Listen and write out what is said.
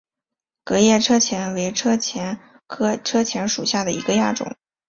革叶车前为车前科车前属下的一个亚种。